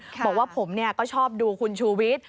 บอกว่าผมเนี่ยก็ชอบดูคุณชูวิทธิ์